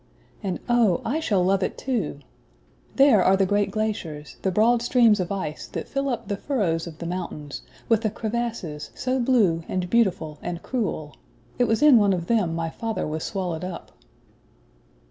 And oh, I shall love it too! There are the great glaciers, the broad streams of ice that fill up the furrows of the mountains, with the crevasses so blue and beautiful and cruel. It was in one of them my father was swallowed up."